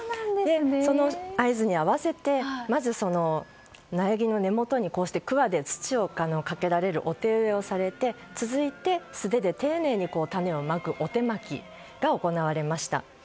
その合図に合わせてまず苗木の根元にくわで土をかけられるお手植えをされて続いて、素手で丁寧に種をまくお手まきが行われました。